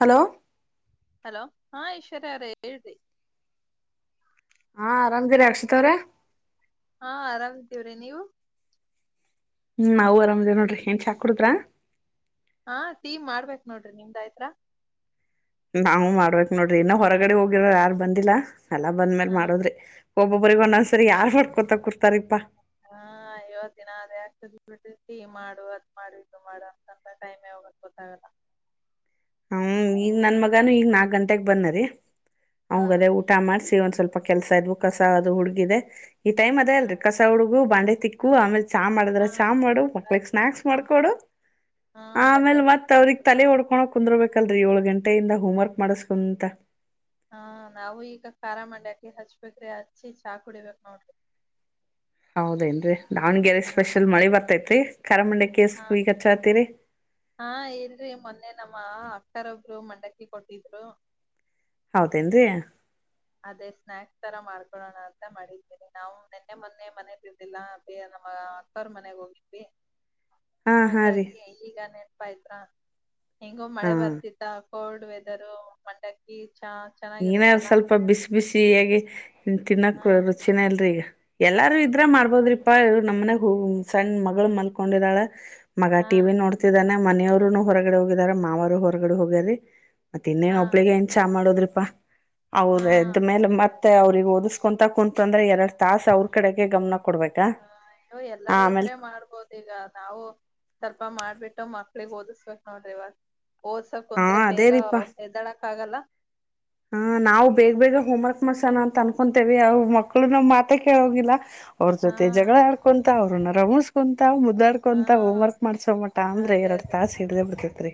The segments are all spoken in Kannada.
ಹಲೋ ಹಲೋ ಹಾ ಐಶ್ವರ್ಯರ ಎಳತಿ ಹಾ ಆರಾಮ್ದಿರಿ ಅಕ್ಷಿತ್ ಅವ್ರ ಹಾ ಆರಾಮ್್ದೀವ್ರಿ ನೀವು ಹ್ಮ್ ನವು ಆರಾಮ್ದೇ ನೋಡ್ರಿ ಏನ್ ಚಾಕ್ ಕುಡುದ್ರ ಹಾ ಟೀ ಮಾಡ್ಬೇಕೇಕ್ ನೋಡ್ರಿ ನಿಮ್ದ ಆಯತ್ರ ನಾವವು ಮಾಡ್ಬೇಕಕ್ ನೋಡ್ರಿ ಇನ್ನು ಹೊರಗಡೆ ಹೋಗಿರ ಯಾರು ಬಂದಿಲ್ಲಾ ಎಲ್ಲಾ ಬಂದ್ಮೇಲ್ ಹಾ ಮಾಡದ್ರಿ ಒಬ್ಬೊಬ್ರರಿಗೆಗ್ ಹಾ ಒಂದೊಂದ್ಸರಿ ಯಾರ್ ಮಾಡಕೊತ ಕುಡ್ತಾರಪ್ಪಾ ಹಾ ಇವತ್ ದಿನ ಅ ಯಕ್ತ ಬಿಟ್ಟತಿ ಮಾಡು ಅದ್ ಮಾಡು ಇದು ಮಾಡು ಅಂತಂತ ಟೈಮ್ ಹೋಗ ಗೊತ್ತಾಗಲ್ಲ ಹ್ಮ ಈಗ ನನ್ ಮಗನುೂ ಈಗ ನಾಕ್ ಗಂಟೆಗ್ ಬಂದರಿೀ ಹಾ ಅವಂಗದೇ ಊಟ ಮಾಡ್ಸಿ ಒಂದ್ ಸ್ವಲ್ಪ ಕೆಲ್ಸ ಇದ್ವು ಕಸ ಅದು ಹುಡುಗಿದೆದೆ ಈ ಟೈ್ ಅದೇ ಹಾ ಅಲ್ರಿ ಕಸ ಹುಡುಗು ಬಾಂಡೆ ತಿಕ್ಕು ಆಮೇಲ್ ಚಹ ಮಾಡಿದ್ರ ಹಾ ಚಹ ಮಾಡು ಅದ್ ಮಕ್ಳಿಗೆ ಸ್ನಾಕ್ಸ್ ನಮ್- ಮಾಡ್ಕೊಡು ಹಾ ಬಟ್ಟೆ ಆಮೇಲೆ ಮತ್ ಅವ್ರಗ್ ತೆಗಿಬೇಕು ತಲೆ ಮಾಡಿ. ಹೊಡ್ಕೊಳ ಬೇಕಲ್ರೀ ಏಳ ಗಂಟೆಯಿಂದ ಹೋಮ್ ವರ್ಕ್ ಮಾಡಸ್ಕೊಂತ ಹಾ ನಾವು ಈಗ ಖಾರ ಮಂಡಿ ಅಕಿ ಹಚ್ಬೇಕ್ರಿ ಹಚ್ಚಿ ಚಾ ಕುಡಿಬೇಕಕ್ ನೋಡ್ರಿ ಹೌದೇನ್ರಿ ದಾವನ್ಗೆರೆ ಹಾ ಸ್ಪೆಷಲ್ ಮಳಿ ಬರ್ತೈತಿರಿ ಹಾ ಹಾ ಹೇಳ್ರಿ ಮೊನ್ನೆ ನಮ್ಮ ಅ ಕ್ಕರ್ ಒಬ್ರು ಮಂಡಕ್ಕಿ ಕೊಟ್ಟಿದ್ರು ಹೌದೇನ್ೀ ಅದೇ ಸ್ನಾಯಕ್ಸ್ ತರ ಮಾಡ್ಕೊೊಳ್ಳೋಣ ಅಂತ ಮಾಡಿದ್ದೀನಿ ನಾವು ನಿೆನ್ನೆ ಮೊನ್ನೆ ಮನೆ ಬಿದ್ದಿಲ್ಲಾ ಅದೇ ನಮ್ಮ ಅಕ್ಕಾರ್ ಮನೆಗ್ ಹೋಗಿದ್ವಿ ಹಾ ಹಾ ರೀ ಹಂಗಾಗಿ ಈಗ ನೆನಪಾಯತ್ರ್ರ ಹೆಂಗೋ ಹಾ ಮಳೆ ಬರ್ತಿತ್ತ ಕೋಲ್ಡ್ ವೆದರು ಮಂಡಕ್ಕಿ ಚ ಚೆನ್ನಾಗಿರುತ್ತಲ್ಲಾ ಪಾ ಬಿಸಿ ಬಿಸಿ ಹಗೆ ತಿನ್ನಕ್ ಹಾ ರುಚಿನ ಇಲ್ರಿೀ ಈಗ ಎಲ್ಲಾರೂ ಇದ್ರ ಮಾಡ್ಬೋದ್ರಿಪಾ ಇವ ನಮ್ಮನೆ ಹ ಸಣ್ಣ ಮಗಳು ಮಲ್ಕೊಂಡಿದಾಳ ಮಗ ಹಾ ಟಿವ ವಿ ನೋಡ್ತಿದ್ದಾನ ಮನೆಯವರುನು ಹೊರಗಡೆ ಹೋಗಿದಾರ ಮಾವರು ಹೊರಗಡೆ ಹೋಗ್ಯಾರಿರಿ ಮತ್ತೆ ಇನ್ನೇನ್ ಹಾ ಒಬ್ಳಿಗೆ ಏನ್ ಚಾ ಮಾಡೋದ್ರಿಪಾ ಹಾ ಅವ್ರದ್ಮೇಲೆ ಅದೇ ಮತ್ತೆ ಅವ್ರಿಗೆ ಓದಿಸ್ಕೊಂತ ಕುಂತ್ು ಅಂದ್ರೆ ಎರಡ್ ತಾಸ ಅವ್ರ ಕಡೆಗೆ ಗಮನ ಕೊಡ್ಬೇಕಾ ಹ ಅಯ್ಯೋ ಎಲ್ಲರೂ ಆಮೇಲ್ ಇದ್ರೆ ಮಾಡ್ಬೋದು ಈಗ ನಾವು ಸ್ವಲ್ಪ ಮಾಡ ಬಿಿಟ್ಟು ಮಕ್ಳಗ್ ಓದಸ್ಬೇಕಕ್ ನೋಡ್ರಿ ಇವಾಗ ಓದಸಕ್ ಹಾ ಕುಂತ್್ರ ಅದೇ ಬೇಗ ರೀಪಾ ಹೆದ್ದಾಡಕ್ ಆಗಲ್ಲ ಹಾ ನಾವು ಬೇಗ ಬೇಗ ಹೋಮ್ ವರ್ಕ್ ಮಾಡ್ಸೋಣ ಅಂತ ಅನ್ಕೊತೇವಿ ಅವ ಮಕ್ಳು ನ್ ಮಾತ ಕೇಳೋಗಿಲ್ಲ ಅವ್ರ ಹಾ ಜೊತೆ ಜಗಳ ಆಡ್ಕೊಂತ ಅವ್ರನ್ನ ರಮಸ್ ಹಾ ಮುದ್ದಾಡ್ಕೊಂತ ಹೋಮ್ ವರ್ಕ್ ಮಾಡ್ಸೋ ಮಟ ಅಂದ್ರೆ ಅದೇ ಎರಡ್ ಅದೇ ತಾಸ ಹಿಡ್ದೆ ಬಿಡ್ತೇತ್ರಿ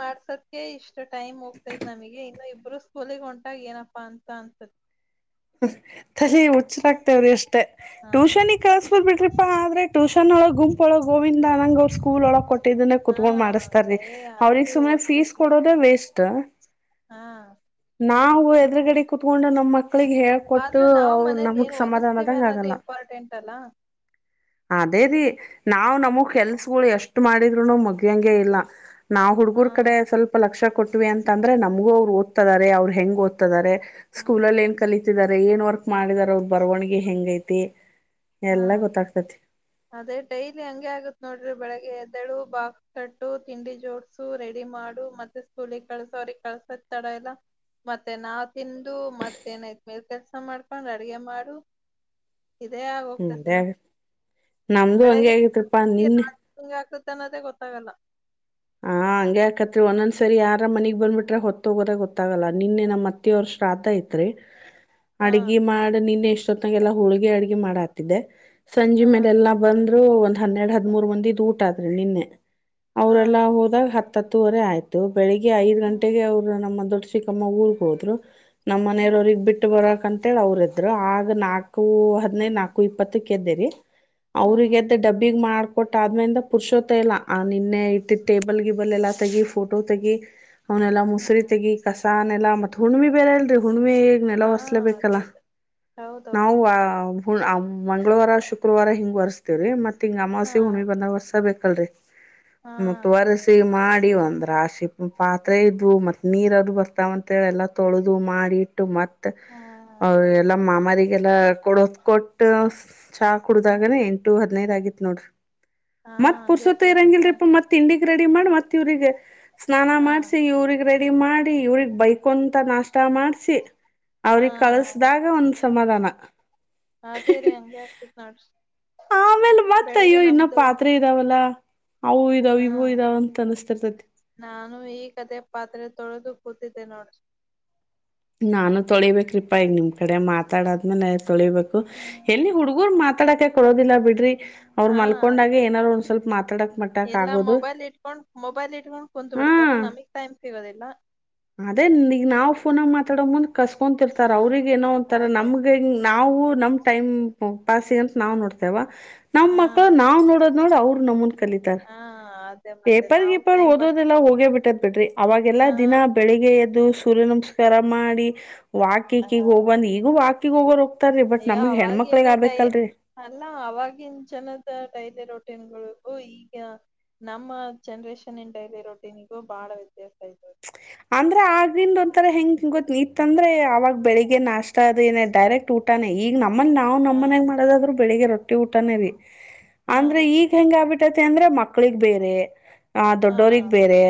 ಮಾಡ್ಸದ ಇಷ್ಟು ಟೈಮ್ ಹೋಗ್ತೈತ್ ನಮಗೆ ಇನ್ನು ಇಬ್ಬರು ಸ್ಕೂಲಗ್ ಹೊಂಟಾಗ ಏನಪ್ಪಾ ಅಂತ ಅನ್ಸತ್ ಹ ತ ಹುಚ್ಚರಾಗ್ತೇವ್ರಿ ಅಷ್ಟೇ ಹಾ ಟ್ಯೂಷನ್ಗ್ ಕಳಸಬರ್ ಬಿಟ್ರಿಪಾ ಆದ್ರೆ ಟ್ಯೂಷನ್ ಒಳ ಗುಂಪೊಳಗ್ ಗೋವಿಂದಾನಂಗ್ ಸ್ಕೂಲ್ ಒಳಗೆ ಕೊಟ್ಟು ಇದನ್ನ ಹಾ ಕುೂತ್ಕೊಂಡ್ ಮಾಡಸ್ತಾರೀ ಏ ಅವ್ರಿಗೆ ಅಲ್ಲಿ ಸುಮನೆ ಫೀಸ್ ಓದ್ಸಕ್ಕೆ ಕೊಡೋದೇ ವೇಸ್ಟ್ ಹಾ ನಾವು ಎದುರುಗಡೆ ಕುೂತ್ಕೊಂಡು ನಮ್ಮಕ್ಕ ಆದ್ರೆ ನಾವು ಮನೇಲಿ ಏನು ಓದಿಸ್ತೀವಿ ಸಮಾಧಾನದಂಗ ಅನ್ನೋದು ಇಂಪಾರ್ಟೆಂಟ್ ಅಲ್ಲ ಅದೇದೀ ನಾವ್ ನಮಗ್ ಕೆಲ್ಸಗಳು ಎಷ್ಟು ಮಾಡಿದ್ರುನು ಮಗ್್ಯಂಗಗೆ ಇಲ್ಲ ನಾವು ಹಾ ಹುಡುಗರ ಕಡೆ ಸ್ವಲ್ಪ ಲಕ್ಷ ಕೊಟ್ಟವಿ ಅಂತಂದ್ರೆ ನಮಗೂ ಅವರು ಓದ್ತಾರೆ ಅವ್ರು ಹೆಂಗೆ ಓದ್ತಾರೆ ಹಾ ಏನ್ ವರ್ಕ್ ಮಾಡಿದಾರ ಅವ ಬರವಣಗ ಹೆಂಗ ೈತಿ ಎಲ್ಲಾ ಹಾ ಗೊತ್ತಾಗ್ತತಿ ಅದೇ ಡೈಲಿ ಹಂಗೆ ಆಗತ್ ನೋಡ್ರಿ ಬೆಳಗ್ಗೆ ಎದ್ದಳು ಬಾಕ್ಸ್ ಕಟ್ಟು ತಿಂಡಿ ಜೋಡ್ಸು ರೆಡಿ ಮಾಡಿ ಮತ್ತೆ ಸ್ಕೂಲಿಗೆ ಕಳ್ಸ ಅವ್ರಿಗೆಗ್ ಕಳ್ಸ ತಡ ಎಲ್ಲ ಮತ್ತೆ ನಾವ್ ತಿಂದು ಮತ್ತೇಏನೈತ್ ಮೇಲ್ ಕೆಲ್ಸ ಮಾಡ್ಕೊಂಡ್ ಅಡ್ಗೆ ಮಾಡು ಇದೇ ಆಗ ಹ್ಮ್ ಹೋಗ್ತ ಅದೇ ದಿನ ನಮ್ದು ಹಂಗಗೆ ಆಗತ್ಪ್ಪಾ ನಿನ್ನೆ ಆತೆ ಅನ್ನೋದೇ ಗೊತ್ತಾಗಲ್ಲ ಹಾ ಹಂಗೆ್ಯಾಾಕತ್ರಿ ಒಂದೊಂದಸರಿ ಯಾರ ಮನಿಗ್ ಬಂದಬಿಟ್ರೆ ಹೊತ್ತ ಹೋಗೋದಾಗ ಗೊತ್ತಾಗಲ್ಲ ನಿನ್ನೆ ನ್ ಅತ್ತೆವ್ರ ಶ್ರಾ್ ಆಯ್ತೆ ಹಾ ಅಡ್ಗೆಿ ಮಾಡ ನಿನ್ ಎಷ್ಟೊತ್ತಂಗೆಲ್ಲ ಹೋಳ್ಗ ಅಡ್ಗೆ ಮಾಡ ಹಾತಿದ್ದೆ ಸಂಜೆ ಹಾ ಮೇಲೆ ಎಲ್ಲಾ ಬಂದ್ರು ಒಂದ್ ಹನ್ನೆರಡ್ ಹದ್ಮೂರ್ ಮಂದಿಿದ್ ಊಟ ಆದ್ರಿ ನಿನ್ನೆ ಅವ್ರ ಹಾ ಎಲ್ಲ ಹೋದಾಗ ಹತ್ತತ್ತುವರೆ ಆಯ್ತು ಬೆಳಗ್ ಐ್ ಗಂಟೆಗೆ ಹ್ಮ್ ಅವ್ರು ನಮ್ಮ ದೊಡ್ಡ ಮ್ಮ ಊರಿಗೆಗ್ ಹೋದ್ ನಮ್ಮ ಹ್ಮ್ ಮನೆಯರೋಗ್ ಬಿಟ್ಟ ಬರಕ್ಂತೇಳಿ ಅವ್ರ ಇದ್ರು ಆಗ ನಾಲ್ಕು ಹದ್ಿನೈದು ನಾಲ್ಕು ಇಪ್ಪತ್ತಕ್ ಎದ್ದಿರಿ ಅವ್ರಿಗೆ ಹ್ಮ್ ಎದ್ದ ಡಬ್ಬಿಗ್ ಮಾಡ್ಕೊಟ್ಟ ಆದ್ಮಿಂದ ಪುರುಷೋತ್ತ ಇಲ್ಲ ಆ ನಿನ್ನೆ ಇ ಟೇಬಲ್ ಗಿಬಲ್ ಎಲ್ಲ ತೆಗಿ ಫೋಟೋ ತೆಗಿ ಅವನೆಲ್ಲಾ ಮುಸುರಿ ಹ್ಮ್ ತೆಗಿ ಕಸಾನೆಲ್ಲಾ ಮತ್ತ ಹುಣಿಮಿ ಬೇರೆ ಇಲ್ರಿ ಹುಣ್ಣಿ ಈಗ್ ನೆಲ್ಲ ಹಾ ಅದೇ ಒಸಸ್ಲೇಬೇಕಲ್ಲ ಅದೇ ಹೌದೌದು ನಾವು ಮಂಗಳವಾರ ಶುಕ್ರವಾರ ಹಿಂಗ್ ಬರ್ಸ್ತೇವಿ ವ್ರೀ ಮತ್ತತ್ ಹಿಂಗ ಹಾ ಅಮಾವಾಸೆ ಹುಣಿ ಬಂದಾಗ ವರ್ಷ ಬೇಕಲ್ರರಿ ಹಾ ಮತ್ತ ಅದೇ ಒರೆಸಿ ಮಾಡಿ ಒಂದ್ರ ಆಶಿ ಪಾತ್ರೆ ಇದು ಮತ್ ನೀರದು ಬರ್ತಾವಂತ ಎಲ್ಲ ತೊಳೆದು ಮಾಡಿಟ್ಟು ಮತ್ತೆ ಹಾ ಎಲ್ಲ ಮಾಮಿಗೆಲ್ಲ ಕೊಡೋದ್ಕ ಕೊಟ್ಟ ಚಾ ಹಾ ಕುಡ್ದಾಗನ ಎಂಟು ಹದ್ನೈದ ಆಗಿತ್ ನೋಡ್ರಿ ಹಾ ಮತ್ ಹಂಗೆ ಪುರ್ಸೊತ್ತ ಆಗ್ತತೆ ಇರಂಗಿಲ್ರಿಪ್ಪ ಮತ್ ಇಂಡಿಗ್ ರೆಡಿ ಮಾಡಿ ಮತ್ ಇವ್ರಿಗೆ ಸ್ನಾನ ಹಾ ಮಾಡ್ಸಿ ಇವ್ರಿಗ್ ರೆಡಿ ಮಾಡಿ ಇವ್ರಗ್ ಬೈಕೊಂತ ನಾಷ್ಟ ಮಾಡ್ಸಿ ಅವ್ರಿಗೆ ಹಾ ಕಳಸ್ದಾಗ ಒಂದ್ ಸಮಾಧಾನ ಅದೇ ರೀ ಹಂಗೆ ಆಗ್ತತ್ ನೋಡ್ರಿ ಆಮೇಲೆ ಮತ್ತ ಬೆಳಿಗ್ಗೆ ಅಯ್ಯೋ ಇನ್ನ ನಮ್ದು ಪಾತ್ರೆ ಇದಾವಲ್ಲ ಅವು ಇದಾವ ಹಾ ಇವು ಇದಾವ ಅಂತ ಅನಸ್ತಿರ್ತೈತಿ ನಾನು ಈ ಕಥೆಯ ಪಾತ್ರೆ ತೊಳ ಕೊತಿಿದ್ದ ನಡ ನಾನು ತೊಳಿಬೇಕ್ರೀಪ್ಪಾ ಈಗ ನಿಮ್ಮ್ ಕಡೆ ಮಾತಾಡಾದ್ಮೇಲೆ ತೊಳಿಬೇಕು ಹ್ಮ್ ಎಲ್ಲಿ ಹುಡ್ಗೂರ್ ಮಾತಾಡಕ ಕೊಡೋದಿಲ್ಲ ಬಿಡ್ರಿ ಅವರು ಹಾ ಮಲ್ಕೊಂಡಾಗೆ ಅದೇ ಏನಾರರು ಒಂದ್ ಸ್ವಲ್ಪ ಮಾತಾಡಕ್ ಮಟ್ಟಕ್ ಎಲ್ಲಾ ಆಗೋದು ಹ ದರ ನಮಿಗ್ ಟೈಮ್ ಸಿಗೋದಿಲ್ಲ. ಅದೇಗ ನಾವ್ ಫೋನತ್ತ. ಮಾತಾಡ ಮುಂದ್ ಕಸ್ಕೊತಿಿರ್ತಾರ ಹಾ ಅವ್ರಿಗೆ ಏನೋ ಅಂತಾರ ಅದೇ ನಮ್ಗೆ ನಾವು ನಮ್ ಟೈಮ್. ಹ ಪಾಸಿ ಅಂತ ನಾವು ನೋಡ್ತೇವ ನಮ್ ಹಾ ಮಕ್ಳು ನಾವ್ ನೋಡೋದ್ ನೋಡ್ ಅವರು ನಮ್ಮನ್ ಕಲಿತಾರ. ಹಾ ಅದೇ ಮತ್ತೆ ಪೇಪರ್ ನಾವು ಗೀಪರ್ ಟೈಮ್ ಪಾಸ್ ಓದೋದೆಲ್ಲಾ ಹೋಗೇ ಬಿಟ್ಟದ ಬಿಡ್ರಿ ಅವಾಗೆಲ್ಲಾ ಹಾ ದಿನ ಬೆಳಿಗ್ಗೆ ಎದ್ದು. ದು ಸೂರ್ಯ ನಮಸ್ಕಾರ ಮಾಡಿ ವಾಕಕ ಹಾ ಹೋಗ್ಬಂದ್ ಈಗ ವಾಕಿಗೆ ಹೋಗೋಗ. ಅಯ್ಯೋ ಅವವಾಗಿನ ಡೈ ಅಲ್ಲ ಅವವಾಗಿನ್ ಚೆನ್ನದ ಡೈದೆ ರೋಟೀನ್ಗಳು. ಈಗ ನಮ್ಮ ಜನ್ರೇಷನ್ ಎನ್ಟ ಇದೆ ರೊಟಿನಿಗೂ ಬಾಳ ವ್ಯತ್ಯಾಸ ಆಯ್ದೆ. ಅಂದ್ರೆ ಆಗಿಂದ ಒಂಂತರ ಹೆಂಗ ಗೊ ಇತ್ತಂದ್ರೆ ಅವಾಗ. ಬೆಳಿಗ್ಗೆ ನಾಷ್ಟ ಅದೇನೇ ಡೈರೆಕ್ಟ್ ಊಟಾನೇ ಈಗ ನಮ್ಮಲ್ಲಿ ನಾವು ಹಾ ನಮ್ಮನೆಾಗ ಮಾಡದಾದ್ರೂ ಬೆಳಗ್ಗೆ ರೊಟ್ಟ. ಊಟನೇರಿ ಹಾ ಅಂದ್ರೆ ಈಗ್ ಹೆಂಗ ಆಗ್ಬಿಟ್ಟೈತಿ ಅಂದ್ರೆ ಮಕ್ಳಿಗ್ ಬೇರೆ. ಆ ಹಾ ದೊಡ್ಡವ್ರಗ್ ಬೇರೆ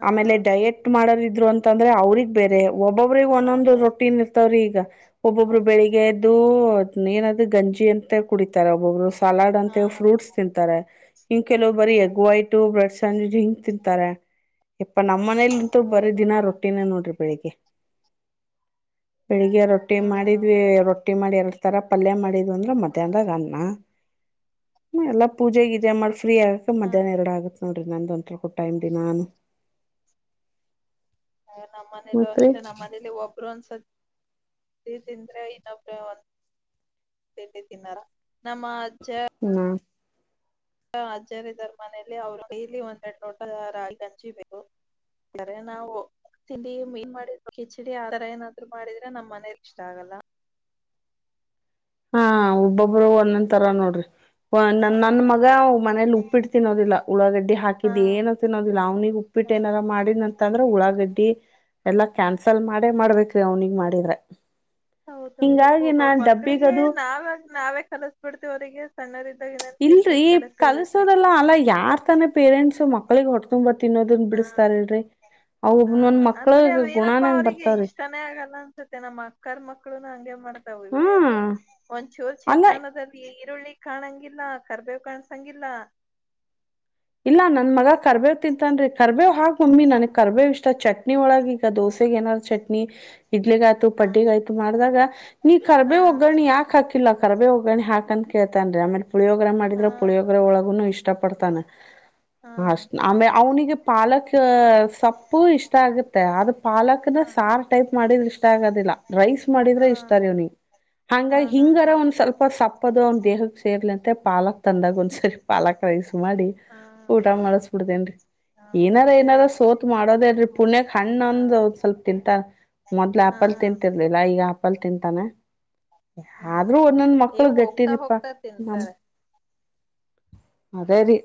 ಹಾ ಆಮೇಲೆ ಡಯೆಟ್ ಮಾಡೋರ್ ಇದ್ರು ಅಂತಂದ್ರೆ ಅವ್ರಗ್ ಬೇರೆ. ಒಬ್ಬೊಬ್ರಿಗೆ ಒಂದೊಂದು ಹೌದೌದು ರೊಟ್ಟಿನ್ ಇರ್ತವ್ರಿ ಈಗ ಒಬ್ಬೊಬ್ರು ಹೌದು ಬೆಳಿಗ್ಗೆಯದ್ದ ಹೌದ ೇನದು ಗಂಜಿ ಅಂತ ಕುಡಿತಾರ ಒಬ್ಬೊಬ್ರು. ಸಾಲಾಡ್ ಹಾ ಅಂತ ಫ್ರೂಟ್ಸ್ ತಿಂತಾರೆ ಹಿಂಗ ಕೆಲವ ಬರೀ ಹಾ ಎಗ್ ವೈಟ್ ಬ್ರೆಡ್ ಸ್ಯಾಂಡ್ವಿಜ ಹಿಂಕ್ ತಿಂತಾರೆ. ಇಪ್ಪಾ ನಮ್ಮ್ ಮನೇಲಿ ನಿಂತರು ಬರೀ ದಿನ ಹೌದೌದು ರೊಟ್ಟಿನ ನೋಡ್ರಿ ಬೆಳಿಗ್ಗೆ. ಬೆಳಿಗ್ಗೆ ರೊಟ್ಟಿ ಹಾ ಮಾಡಿದ್ವಿ ರೊಟ್ಟಿ ಮಾಡಿ ಎರಡ್ ತರ ಪಲ್ಯ ಅದೇ ಅದೇ ಮಾಡಿದ್ವಿ ಅಂದ್ರ ಮಧ್ಯಾಹನದಾಗ ಅನ್ನ. ಹ್ಮ ಎಲ್ಲಾ ಪೂಜೆಗದೆ ಮಾಡ್. ಫ್ರೀ ಆಗಕ ಹಾ ಮಧ್ಯಾಹ್ನ ಎರಡು ಆಗುತ್ತತ್ ನೋಡ್ರಿ ನಂದು ಒಂಥರ ಕೊಟ್ಟ ಇಮ್ದಿ ನಾನು. ನಮ್ಮ ಮನೇಲ ಅಷ್ಟೇ ನಮ್ಮನೇಲಿ ಒಬ್ಬ. ಪರನ್ ಸಂದ್ರ ಇನ ಒಬ್ಬರೇ. ಿ ತಿನ್ನಾರ ನಮ್ಮ ಅಜ್ಜ. ಹ್ಮ ಅಜ್ಜರಿದ್ದಾರೆ ನಮ್ಮನೇಲಿ ಅವ್ರು ಡೈಲಿ ಒಂದೆರಡು ಲೋಟ ರಾಗಿ ಹಂಚಿಬೇಕು. ಕರೆ ನಾವು. ತಿಂಡಿ ಮೀ ಕಚಡಿ ಆ ತರ ಏನಾದ್ರು ಮಾಡಿದ್ರೆ ನಮ್ಮ್ ಮನರ್ ಇಷ್ಟ ಆಗಲ್ಲ. ಹಾ ಒಬ್ಬೊಬರು ಒನ್ನೊನ್ ತರ ನೋಡ್ರಿ. ನ್ ಹಾ ನನ್ನ ಮಗ ಆತರ ಮನೇಲಿ ಉಪ್ಪಿಟ್ಟು ತಿನ್ನೋದಿಲ್ಲ ಉಳ್ಳಾಗಡ್ಡಿ ಹಾ ಹಾಕಿದ್ದ್ ಏನ ತಿನ್ನೋದಿಲ್ಲ ಅವ್ನಿಿಗೆ ಉಪ್ಪಿಟ್ಟ. ಹಾ ಏನಾರ ಮಾಡಿ ನಂತ. ಅಂತಂದ್ರೆ ಉಳಾಗಡ್ಡಿ ಎಲ್ಲಾ ಕ್ಯಾನ್ಸಲ್ ಮಾಡೇ ಮಾಡ್ಬೇಕ್ರೀ ಅವನಿಿಗೆ ಮಾಡಿದ್ರೆ. ಹೌದೌದು ಹಿಂಗಾಗಿ ಒಬ್ಬ ನಾ ಮಕ್ಳಿಗೆ ಡಬ್ಬಿಗದು ನಾವಾಗ ನಾವೇ ಕಲಸ ಬಿಿಡ್ತಿೀವ ಅವರಿಗೆ ಸಣ್ಣ. ಇಲ್ರೀ ಕಲ್ಸೋದಲ್ಲ ಅಲ್ಲ ಯಾರ್ ತಾನ ಪೇರೆಂಟ್ಸ ಮಕ್ಳಿಗೆ ಹೊಡ್ತುಂಬ್ ಬರ್. ತಿನ್ನೋದನ್ ಬಿಡಿಸಸ್ತಾರಲ್ರರಿ. ಅವ ಹ ನನ್ ಮಕ್ಳ ಅಂದ್ರೆ ಏನಪ್ಪಾ ಗುಣಾನಂಗ ಅವ್ರಿಗೆ ಬರ್ತಾವ್ರಿ ಇಷ್ಟಾನೇ ಆಗಲ್ಲ ಅನ್ಸತ್ತೆ ನಮ್ಮ್ ಅಕ್ಕರ್ ಮಕ್ಳುನು ಹಗೆ ಮಾಡ್ತ. ಹಾ ಯಲ್ಲ ಒಚೋರ್ ಅಲ್ಲ ಚಿತ್ರಾನ್ನ [unintelligible] ಈರುಳ್ಳಿ ಕಾಣಂಗಿಲ್ಲ ಕರ್ಬೇವ್ ಕಾಣಸಂಗಿಲ್ಲ. ಇಲ್ಲಾ ನನ್ ಮಗ ಕರ್ಬೇವ್ ತಿಂತನ್ರಿ ಕರ್ಬೇವ್ ಹಾಗ ಮಮ್ಮಿ ನನ್ಗ್ ಕರ್ಬೇವ ಇಷ್ಟ ಚಟ್ನಿ ಒಳಗ ಈಗ ದೋಸೆ. ಸ ಏಾದ್ ಚಟ್ನಿ ಇಡ್ಲಿಗಾಯ್ತು ಹಾ ಪಡ್ಡಿಗ ಆಯ್ತು ಮಾಡ್ದಾಗ. ನೀ ಹಾ ಕರ್ಬೆ ಒಗ್ಗರಣಿ ಯಾಕ ಹಾಕಿಲ್ಲ ಕರ್ಬೆ ಒಗ್ಗಿ ಹಾಕಂದ ಕೇಳ್ತನ್ ರರಿ ಆಮೇಲೆ. ಪುಳಿಯೋಗ್ರ ಹಾ ಮಾಡಿದರೆ ಪುಳಿಯೋಗ್ರ ಒಳಗು ಇಷ್ಟಪಡ್ತಾನೆ. ಹಾ ಅಷ್ಟ ಆಮೇ ಅವನಿಗೆ ಪಾಲಕ್ ಸೊಪ್ಪು ಇಷ್ಟ ಆಗುತ್ತೆ ಅದು ಪಾಲಕ್. ್ರ ಹಾ ಸಾರ್ ಟೈಪ್ ಮಾಡಿದ್ರೆ ಇಷ್ಟ ಆಗೋದಿಲ್ಲ ರೈಸ್ ಮಾಡಿದ್ರೆ ಹಾ ಇಷ್ಟ ರವ್ನಿ. ಹಂಗ ಹಾ ಹಾ ಹಿಂಗರ ಹಾ ಒಂದ್ ಸ್ವಲ್ಪ ಸಪ್ಪದು ಅವನ್ ದೇಹಕ್ಕೆ ಸೇರ್ಲಿಂತೆ ಪಾಲಕ್ ತಂದಾಗ ಒಂದ್ಸರಿ ಪಾಲಕ್ ಕೈಸು ಮಾಡಿ ಹಾ ಊಟ ಮಾಡಳಸ್ಬಿಡ್ತೇನ್ರಿ ಹಾ ಏನಾರ ಅದೇ ಏನಾರ ಸೋತ್ ಮಾಡೋದೇಲ್ರಿ ಪುಣ್ಯಕ್ ಹಣ್ಣ ಹಾ ಅಂದ್ ಒಂದ್ ಸ್ವಲ್ಪ ತಿಂತ. ಮೊದ್ಲು ಹಾ ಆಪಲ್ ತಿಂತಿರ್ಲಿಲ್ಲ ಈಗ ಆಪಲ್ ತಿಂತಾನೆ. ಹಾ ಆದ್ರೂ ಒಂದೊಂದ್ ಏ ಮಕ್ಳು ಹೋಗ್ತಾ ಗಟ್ಟಿರಿಪಾ ಹೋಗ್ತಾ ನಮ. ತಿಂತಾರೆ ಅದೇ ರೀ.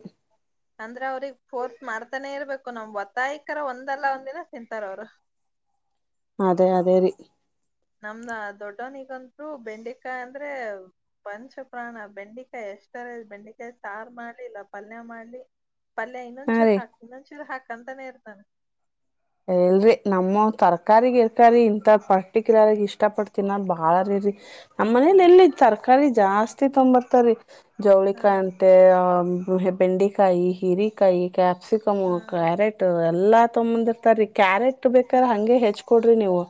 ಅಂದ್ರೆ ಅವ್ರಿಗೆಗ್ ಫೋರ್ತ್ ಮಾಡ್ತಾನೆ ಇರ್ಬೇಕು ನಮ್ ಒತ್ತಾಯಕರ ಒಂದಲ್ಲ ಒಂದಿನ ತಿಂತಾರ ಅವರು. ಅದೇ ಅದೇ ರೀ. ನಮ್ದ ದೊಡ್ಡವನಿಗಂತರು ಬೆಂಡೆಕಾಯಿ ಅಂದ್ರೆ. ವಂಶಪ್ರಾಣ ಬೆಂಡಿಕಾಯ ಎಷ್ಟರೇ ಬೆಂಡಿಕಾಯ ಸಾರ್ು ಮಾಡ್ಲಿಲ್ಲ ಪಲ್ಯ ಮಾಡ್ಲಿ. ಪಲ್ಯ ಹಾ ಇನ್ನೊಂಚೂರು ರೀ ಹಾಕ್ ಇನ್ನೊಂಚೂರು ಹಾಕ್ ಅಂತಾನೇ ಇರ್ತಾನೆ ಎಲ್ರಿ ನಮ್ಮ ತರ್ಕಾರಿರ್ಕಾರಿ ಇಂತ ಪರ್ಟಿಕ್ಯುಲರ್ ಆಗಿ ಇಷ್ಟ ಪಡ್ತೀನ ಬಾಳ ರೀ ಅ ನಮ್ಮ ಮನೇಲಿ ಎಲ್ಲಿ ಹಾ ತರಕಾರಿ ಜಾಸ್ತಿ ತೊಂಬರ್ತಾರಿ ಹಾ ಜವಳಿಿಕಾಯ ಅಂತೆ ಆ ಬೆಂಡೆಕಾಯಿ ಹಿರಿಕಾಯಿ ಕ್ಯಾಪ್ಸಿಕಮ್ ಹಾ ಕ್ಯಾರೆಟ್ ಎಲ್ಲಾ ತಂಬ ರಿ ಕ್ಯಾರೆಟ್ ಬೇಕಾರ ಹಾ ಹಂಗೆ ಹೆಚ್ಕ ಕೊಡ್ರಿ ನೀವು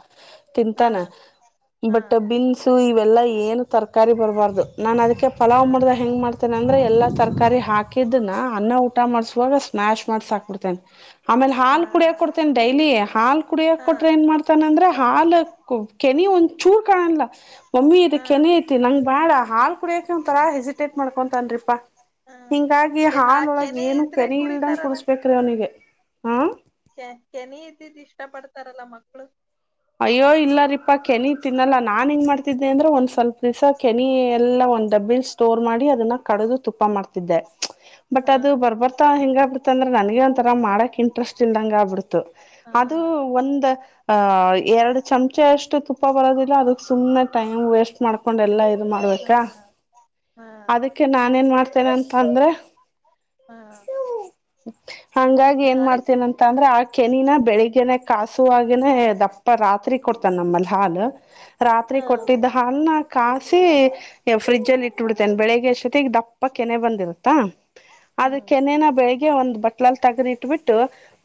ಹಾ ತಿಂತಾನ ಹಾ ಬಟ್ಟರ್ಬೀನ್ಸ್ ಇವೆಲ್ಲ ಏನು ತರಕಾರಿ ಬರಬಾರ್ದು ನಾನು ಅದಕ್ಕೆ ಹಾ ಪಲಾವ್ ಮಾಡ್ದಾಗ ಹೆಂಗಗೆ ಮಾಡ್ತೇನೆ ಅಂದ್ರೆ ಎಲ್ಲ ತರಕಾರಿ ಹಾಕಿದ್ನ ಅನ್ನ ಊಟ ಮಾಡ್ಸ ಸ್ನ್ಾಶ್ ಮಾಡ್ ಸಾಾಕ್ಬಿಡ್ತೇನೆ ಆಮೇಲೆ ಹಾ ಹಾಲ್ ಕುಡಿಯ ಕೊಡ್ ೈಲಿ ಹಾಲ್ ಕುಡಿಯಕ ಹಾ ಕೊಟ್ರೆ ಏನ್ ಮಾಡ್ತಾನ ಂದ್ರೆ ಹಾಲ ಕೆನೆ ಒಂದ ಚೂರ್ ಕಾಣಲ್ಲ ಮಮ್ಮಿ ಇ ಹಾ ಕೆನೆ ಐತಿ ನಂಗ ಬಾಳ ಹಾಳ್ ಕುಡಿಯಕ ಒ ತರಾ ಹೆಸಿಟೇಟ್ ಮಾಡ್ಕೊಂತನ್್ರಿಪಾ ಹಾ ಹಿಂಗಾಗಿ ಹಾ ಹಾಾಲೊಳಗ್ ಕೆನೆ ಏನು ಇದ್ರೆ ಕೆರಿ ಇಲ್ದಂಗ ಕುಡ್ಸ್ಬೇಕ್ರೀ ಅವ್ನಿಗೆ ಹಾ ಚನಿ ಇದ್ದಿದ್ದು ಇಷ್ಟ ಪಡ್ತಾರಲ್ಲ ಮಕ್ಕಳು ಅಯ್ಯೋ ಇಲ್ಲ ರೀಪಾ ಕೆನಿ ತಿನ್ನಲ್ಲಾ ನಾನ್ ಹೆಂಗ ಮಾಡ್ತಿದ್ದೆ ಅಂದ್ರೆ ಒಂದ್ ಸ್ವಲ್ಪ ರಿಸ ಕೆನಿ ಎಲ್ಲಾ ಒಂದ್ ಡಬ್ಬಿನ್ ಸ್ಟೋರ್ ಮಾಡಿ ಅದನ್ನ ಕಡದು ತುಪ್ಪ ಮಾಡ್ತಿದ್ದೆ ಬಟ್ ಹಾ ಅದು ಬರ್ಬರ್ತಾ ಹಿಂಗ ಆಗ್ಬ ಬಿಡ್ತ ಅಂದ್ರೆ ನನ್ಗೆ ಒಂಂತರಾ ಮಾಡಕ್ ಇಂಟ್ರೆಸ್ಟ್ ಇಲ್ದಂಗ ಆ ಬಿಿಡ್ತ ಹಾ ಅದು ಒಂದ ಅ ಎರಡು ಚಮಚೆ ಅಷ್ಟು ತುಪ್ಪ ಬರೋದಿಲ್ಲ ಅದಕ್ ಸುಮ್ಮನೆ ಟೈಮ್ ವೇಸ್ಟ್ ಮಾಡ್ಕೊಂಡ್ ಎಲ್ಲಾ ಹಾ ಮಾಡ್ಬೇಕಾ ಹಾ ಅದಕ್ಕೆ ನಾನ ಏನ್ ಮಾಡ್ತೇನೆ ಅಂತ ಅಂದ್ರೆ ಹಾ ಹಂಗಾಗಿ ಏನ್ ಹಾ ರೀ ಮಾಡ್ತೇನಂತ ಅಂದ್ರೆ ಆ ಕೆನಿನ ಬೆಳಿಗ್ನೆ ಕಾಸುವಾಗನನೆ ದಪ್ಪ ರಾತ್ರಿ ಕೊಡ್ತಾನ ನಮ್ಮಲ್ಲಿ ಹಾಲು ರಾತ್ರಿ ಹಾ ಕೊಟ್ಟಿದ್ದ ಹಾಲ್ ನ ಕಾಸಿ ಫ್ರಿಜ್ಜಲ್ಲಿ ಇಟ್ಟಬಿಡ್ತೇನೆ ಬೆಳಿಗ್ಗೆ ಅಷ್ಟೊತೆ ಈಗ ದಪ್ಪ ಕೆನೆ ಬಂದಿರುತ್ತಾ ಆದದ ಹ್ಮ್ ಕೆನಿನ ಬೆಳಿಗ್ಗೆ ಒಂದ್ ಬಟ್ಟೆ ಮಲ್ಲಿ ತೆಗದಿ ಇಟ್ಬಿಟ್ಟು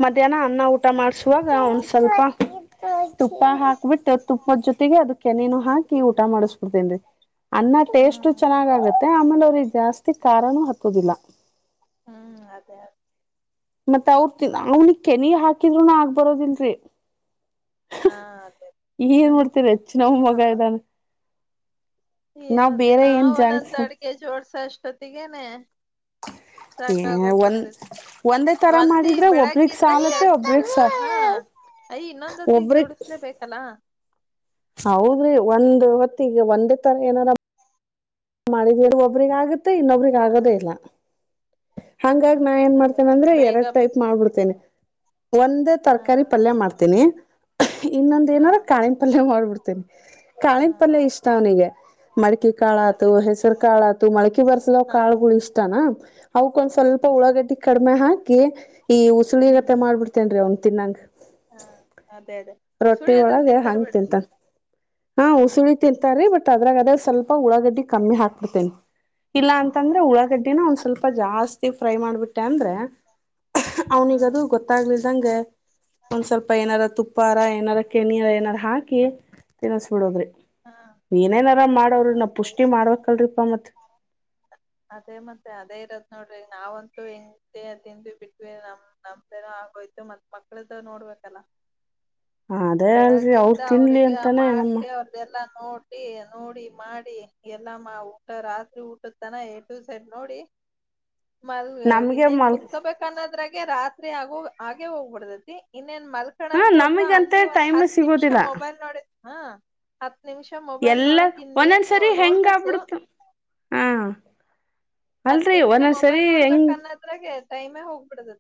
ಮಧ್ಯಾಹ್ನ ಅನ್ನ ಊಟ ಮಾಡ್ಸಾಗ ಒಂದ್ ಸ್ವಲ್ಪ ತುಪ್ಪ ಹಾಕ್ಬಿಟ್ಟು ತುಪ್ಪದ ಜೊತೆಗೆ ಅದು ಕೆನೆನು ಹಾಕಿ ಊಟ ಮಾಡಿಸ್ಬಿಡ್ತೇನ್ೀ ಅನ್ನ ಟೇಸ್ಟ್ ಹ್ಮ್ ಚೆನ್ನಾಗ ಆಗುತ್ತೆ ಆಮೇಲೆ ಅವ್ರಿಗೆ ಜಾಸ್ತಿ ಕಾರಣೂ ಹಾಕೋದಿಲ್ಲ ಹ್ಮ್ ಅದೇ ಅದೇ ಮತ್ತತ್ ಅವ್ರ ತಿ ಅವನಿ ಕೆ ನೀ ಹಾಕಿದ್ರುನು ಆಗ್ ಬರೋದಿಲ್ರಿ ಹಾ ಈ ಏನ್ ಹ್ಮ್ ಮಾಡಡ್ತರಿ ಹೆಚ್ಚ ನಮ್ಮ್ ಮಗ ಇದ್ದಾನ ಏನ ದಿನಾ ಜಂಕ್ ಒಂದೊಂದ್ ಫುಡ್ ಅಡ್ಗೆ ಜೋಡ್ಸ ಅಷ್ಟೊತ್ತಗನೆ [unintelligible] ಏ ಒಂದ ಒಂದೇ ತರ ಒಂದಿ ಮಾಡಿದ್ರೆ ಒಬ್ರಗ್ ಬೆಳಗ್ಗಿಂದ ಸಾಲತ್ತೆ ಕೆಲ್ಸ ಒಬ್ರಗ್ ಹಾ ಅಯ ಇನ್ನೊಂದ್ ಹೊತ್ತಿಗೆ ಒಬ್ರಗ್ ಜೋಡಿಸಲೇಬೇಕಲ್ಲಾ ಹೌದ್ರಿ ಒಂದು್ ಹೊತ್ತ ಈಗ ಒಂದೇ ತರ ಏನಾರ ಮಾಡಿದರ ಒಬ್ರಿಗೆ ಆಗುತ್ತೆ ಇನ್ನೊಬ್ರಗ್ ಹ ಆಗೋದೇ ಇಲ್ಲ ಹಾ ಹಂಗಾಗಿ ನಾ ಏನ್ ಅದೇ ಮಾಡ್ತೇನೆ ಅಂದ್ರೆ ಬೇಗ ಎರಡ್ ಟೈಪ್ ಮಾಡ್ಬಿಡ್ತೇನೆ ಒಂದೇ ಹಾ ತರಕಾರಿ ಪಲ್ಯ ಮಾಡ್ತೀನಿ ಇನ್ನೊಂದ್ ಹಾ ಏನಾರ ಕಾಳಿಿನ ಪಲ್ಯ ಮಾಡ್ಬಿಡ್ತಿ ಹಾ ಕಾಳನ್ ಪಲ್ಯ ಇಷ್ಟ ಅವನಿಗೆ ಮಡಕೆ ಕಾಳ ಅದೇ ಹೆಸರು ಕಾಳ ಅಥು ಮಳಕೆ ಬರ್ಸದ್ ಹಾ ಕಾಳುಗಳು ಇಷ್ಟಾನ ಅವಕ್ ಒಂದ್ ಸ್ವಲ್ಪ ಉಳಾಗಡ್ಡಿ ಕಡಿಮೆ ಹಾಕಿ ಈ ಹ್ಮ್ ಉಸುಿರಪೆ ಮಾಡ್ಬಿಡ್ತೇನ್ರೀ ಒಂದ್ ತಿನ್ನಂಗ ಹಾ ಅದೇ ಅದೇ ಉಸುಳ ರೊಟ್ಟಿ ಆದ್ರೆ ಒಳಗೆ ಹಂಗ್ ತಿಂತಾರಬೇಡ ತಿಂತಾನ ಹಾ ಉಸಿಳಿ ತಿಂತಾರೆ ಬಟ್ ಅದ್ರಾಗಾದದೇ ಸ್ವಲ್ಪ ಉಳ್ಳಳಾಗಡ್ಡಿ ಕಮ್ಮಿ ಹಾಕ್ಬಿಡ್ತೇನೆಿ ಇಲ್ಲ ಹ್ಮ್ ಅಂತಂದ್ರೆ ಅದೇ ಉಳ್ಳಾಗಡ್ಡಿನ ಒಂದ್ ಸ್ವಲ್ಪ ಜಾಸ್ತಿ ಫ್ರೈ ಮಾಡ್ಬಿಟ್ಟೆ ಅಂದ್ರೆ ಹಾ ಅವನಿಗದು ಗೊತ್ತಾಗ್ಲಿದಂಗೆ ಒಂದ್ ಸ್ವಲ್ಪ ಏನಾರ ತುಪ್ಪಾರ ಏನಾರ ಕೆಣೀರ ಏನಾರು ಹಾಕಿ ತಿನ್ನಸ್ಬಿಡದ್ರಿ ಹಾ ಏನೇನ ಆರಾಮ್ ಹಾ ಮಾಡೋವರು ನ ಸರಿ ಪುಷ ಮಾಡ್ಬೇಕಲ್ರಿಪ್ಪ ಮತ್ ಅದೇ ಮತ್ತೆ ಅದೇ ಇರತ್ ನೋಡ್ರಿ ನಾವಂತೂ ಹೆ ಅದಿಂದ ಬಿಟ್ವಿ ನಮ್ ನಮ್ದನ ಆಗೋಯ್ತು ಮತ್ ಮಕ್ಳದ ನೋಡ್ಬೇಕ ಲ್ಲ ಹ ಅದೇ ಅಲ್ರಿ ಅವರು ತಿನ್ಲಿ ಅಂತಾನೇ ನಮ್ಮ ಎಲ್ಲ ನೋ ನೋಡಿ ಮಾಡಿ ಎಲ್ಲ ಮಾ ಊಟ ರಾತ್ರಿ ಊಟದ ತನ ಎಡ್ ಟು ಸೈಡ್ ನೋಡಿ [unintelligible] ಮಲ್ ನಮ್ಗೆ ಇನ್ನೇನ್ ಮಲ್ ಕುೂತ್ಕೋಬೇಕ ಅನ್ನೋದ್ರಾಗೆ ರಾತ್ರಿ ಆಗ ಆಗೆ ಹೋಗ್ಬಿಡ್ದೈತಿ ಇ ನ್ ಹ ಮಲ್ಕೋಕ್ ಹೋದ್ವಾ ನಮಗಂತ ಅಲ್ಲಿ ಒಂದ್ ಟೈಮ್ ಹತ್ ನಿಮಿಷ ಸಿಗೋದಿಲ್ಲ ಮೊಬೈಲ್ ನೋಡಿದ ಹ ಎಲ್ಲ ಒಂದೊಂದ್ಸರಿ ಹೆಂಗ ನೋಡ್ಬೇಕು ಆಗ್ಬಿಡ್ತು ಹಾ ಹತ್ ನಿಮಿಷ ಮೊಬೈಲ್ ನೋಡ್ಬೇಕ ಅನ್ನದ್ರಾಗೆ ಟೈಮೇ ಹೋಗ್ಬಿಡದದ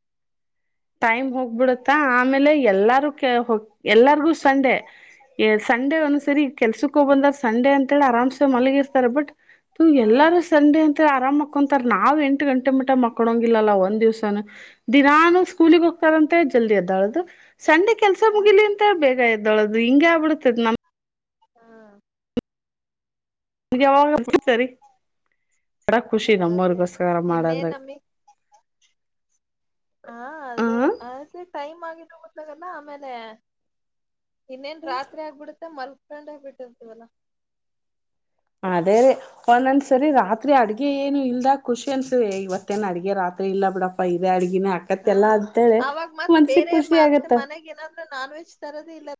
ಟೈಮ್ ಹೋಗ್ಬಿಡತ್ತಾ ಆಮೇಲೆ ಎಲ್ಲಾರು ಎಲ್ಲಾರ್ಗೂ ಸಂಡೆ ಸಂಡೆ ಒಂದ ಹ್ಮ್ ಸರಿ ಕೆಲ್ಸಕ್ಕೆ ಹೋಗ ಬಂದ ಸಂಡೆ ಅಂತೇಳಿ ಆರಾಮ್ಸ ಮಲಗಿರ್ತಾರೆ ಬಟ್ ಹಾ ಎಲ್ಲಾರೂ ಸಂಡೆ ಅಂತ ಆರಾಮ್ ಮಕ್ಕೊಂತಾರ ನಾವು ಎಂಟು ಗಂಟೆ ಮುಟ್ಟ ಮಕ್ಕಳಂಗಿಲ್ಲಲ್ಲಾ ಒಂದ ದಿವಸ ದಿನಾನು ಸ್ಕೂಲಿಗೆ ಹೋಗ್ತಾರಂತೆ ಜಲ್ದಿ ಅದ್ದಾಳು ಸಂಡೆ ಕೆಲ್ಸ ಹಾ ಮುಗಲಿ ಅಂತ ಬೇಗ ಆ ೊಳ ಹಿಂಗ ಆಬ ಬಿಡತತ್ ನಮ್ಮ್ ಹಾ ನಿಗೆಾಗ ಎ ಸರಿ ಬಡ ಖುಷಿ ಹಾ ಅದೇ ನಮ್ಮವರಿಗೋಸ್ಕರ ಇನ್ನೇನ್ ಮಾಡದ್ರ ನಮಿ ಹಾ ಅದೇ ಅದು ಟೈಮ್ ಆಗಿದ ಗೊತ್ತಾಗಲ್ಲ ಆಮೇಲೆ ಇನ್ನೇನ್ ರಾತ್ರಿ ಆಗ್ಬಿಡುತ್ತೆ ಮಲ್ ಕಂಡ ಹ ಬಿಿಟವಲ್ಲ ಅದೇ ರ ಒಂದೊಂದ್ಸರಿ ರಾತ್ರಿ ಅಡ್ಗೆ ಏನು ಇಲ್ದ ಖುಷಿ ಅನ್ಸ ಇವತ್ತೇನು ಅಡ್ಗೆ ರಾತ್ರಿ ಇಲ್ಲ ಬ ಪೈವ ಹಾ ಅವಾಗ ಮತ್ತ್ ಮನ್ಸಿಗ್ ಬೇರೆ ಖುಷಿ ಮತ್ತೆ ಆಗತ್ತ ಮನೆಗ್ ಏನಂದ್ರೂ ನಾನ್ ವೆಜ್ ತರದ ಇಲ್ಲ